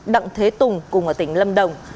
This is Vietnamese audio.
đặng thế tùng cùng ở tỉnh lâm đồng